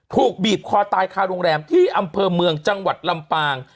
ถูกบีบคอตายคาโรงแรมที่อำเภอเมืองจังหวัดลำปาง